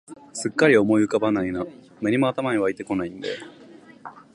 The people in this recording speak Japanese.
すっかり思い浮かばないな、何も頭に湧いてこないんだよ